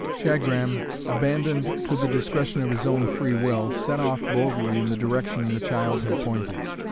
Shagram, abandoned to the discretion of his own free will, set off boldly in the direction the child had pointed.